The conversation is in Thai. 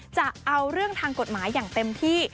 จะเอาเรื่องทางกฎหมายอย่างเต็มที่